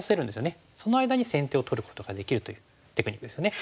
その間に先手を取ることができるというテクニックですね。